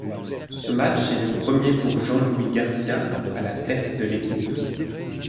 Ce match est le premier pour Jean-Louis Garcia à la tête de l'équipe.